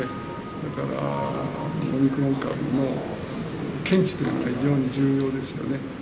だから、オミクロン株の検知というのは、重要ですよね。